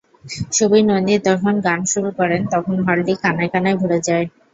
সুবীর নন্দী যখন গান শুরু করেন তখন হলটি কানায় কানায় ভরে যায়।